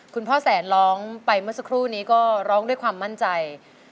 คุณพ่อแสนร้องไปเมื่อสักครู่นี้ก็ร้องด้วยความมั่นใจ